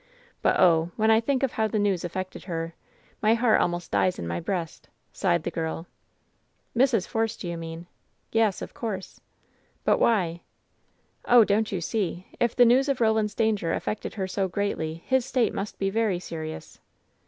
But oh! when I think of how the news affected her, my heart almost dies in my breast," sighed the girl. "Mrs. Force, do you mean ?" "Yes, of course." "But why ?" "Oh, don't you see ? If the news of Roland's danger affected her so greatly, his state must be very serious."